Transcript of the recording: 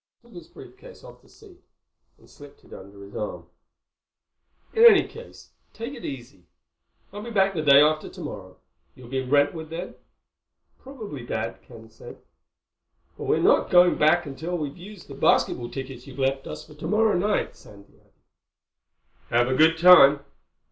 He took his brief case off the seat and slipped it under his arm. "In any case, take it easy. I'll be back the day after tomorrow. You'll be in Brentwood then?" "Probably, Dad," Ken said. "But we're not going back until we've used the basketball tickets you've left us for tomorrow night," Sandy added. "Have a good time."